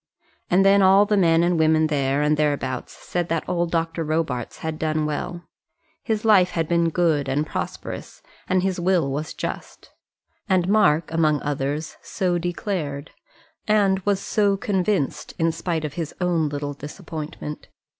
And then all men and women there and thereabouts said that old Dr. Robarts had done well. His life had been good and prosperous, and his will was just. And Mark, among others, so declared, and was so convinced in spite of his own little disappointment.